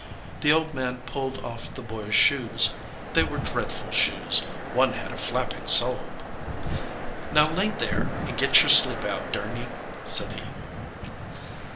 The old man pulled off the boy s shoes. They were dreadful shoes; one had a flapping sole. "Now lay there, and git your sleep out, durn ye," said he.